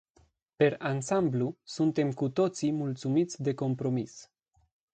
Per ansamblu, suntem cu toții mulțumiți de compromis.